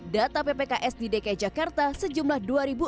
data ppks di dki jakarta sejumlah dua enam ratus enam puluh satu